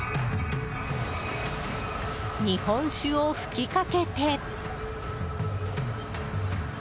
日本酒を噴きかけて。